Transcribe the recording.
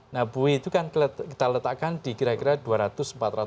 nah bui itu kan kita letakkan di kira kira dua ratus empat ratus